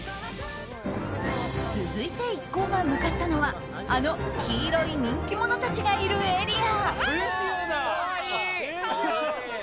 続いて一行が向かったのはあの黄色い人気者たちがいるエリア。